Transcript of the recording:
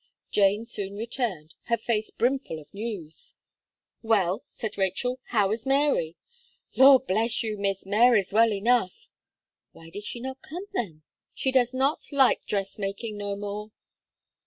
Jane soon returned, her face brimful of news. "Well," said Rachel, "how is Mary?" "Law bless you Miss, Mary's well enough." "Why did she not come then?" "She does not like dress making no more."